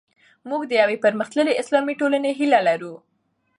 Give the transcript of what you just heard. موږ د یوې پرمختللې اسلامي ټولنې هیله لرو.